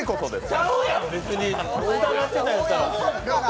ちゃうやん、別に！